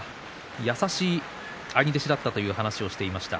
優しい兄弟子だったという話をしていました。